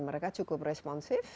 mereka cukup responsif